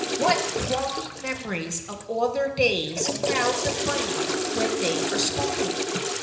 What thronging memories of other days crowd the brain when they are spoken!